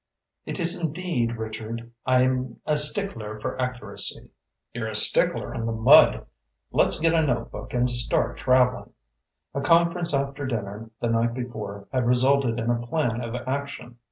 "It is indeed, Richard. I'm a stickler for accuracy." "You're a stickler in the mud. Let's get a notebook and start traveling." A conference after dinner the night before had resulted in a plan of action.